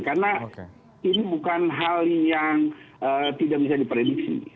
karena ini bukan hal yang tidak bisa diprediksi